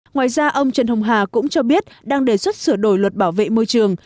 ngoài ra ông trần hồng hà cũng cho biết đang đề xuất sửa đổi luật bảo vệ môi trường